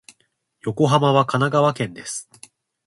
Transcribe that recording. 横浜は神奈川県です。